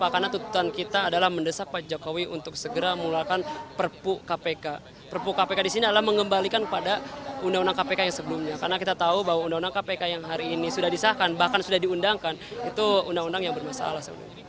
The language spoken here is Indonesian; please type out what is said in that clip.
karena kita tahu bahwa undang undang kpk yang hari ini sudah disahkan bahkan sudah diundangkan itu undang undang yang bermasalah